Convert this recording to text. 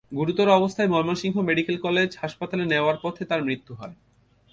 গুরুতর অবস্থায় Mymensingh medical college হাসপাতালে নেওয়ার পথে তাঁর মৃত্যু হয়।